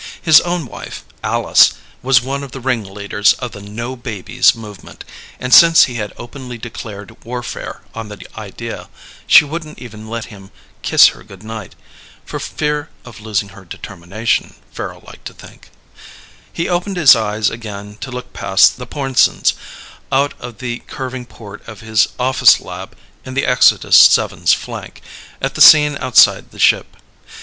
His own wife, Alice, was one of the ringleaders of the "no babies" movement, and since he had openly declared warfare on the idea, she wouldn't even let him kiss her good night. (For fear of losing her determination, Farrel liked to think.) He opened his eyes again to look past the Pornsens, out of the curving port of his office lab in the Exodus VII's flank, at the scene outside the ship.